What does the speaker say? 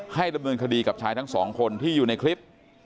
ดำเนินคดีกับชายทั้งสองคนที่อยู่ในคลิป